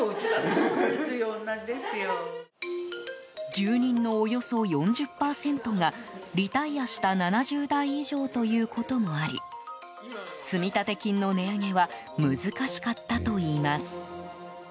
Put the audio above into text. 住人のおよそ４０％がリタイアした７０代以上ということもあり積立金の値上げは難しかったといいます。